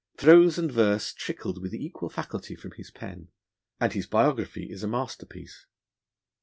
Prose and verse trickled with equal facility from his pen, and his biography is a masterpiece.